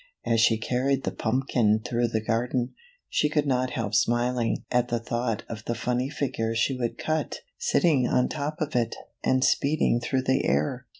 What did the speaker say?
As she carried the pump kin through the garden, she could not help smiling at the thought of the funny figure she would cut sitting on top of it, and speeding through the air.